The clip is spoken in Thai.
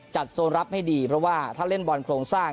โซนรับให้ดีเพราะว่าถ้าเล่นบอลโครงสร้าง